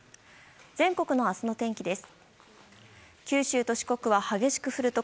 全国の明日の天気です。